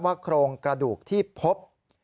โครงกระดูกที่พบ